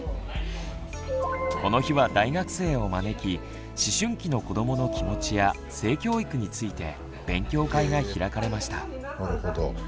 この日は大学生を招き思春期の子どもの気持ちや性教育について勉強会が開かれました。